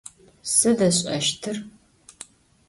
Sıd ış'eştır?